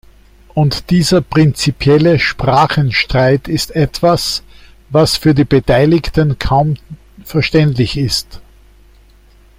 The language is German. Und dieser prinzipielle Sprachenstreit ist etwas, was für die Beteiligten kaum verständlich ist.